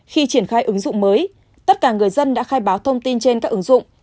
khi triển khai ứng dụng mới tất cả người dân đã khai báo thông tin trên các ứng dụng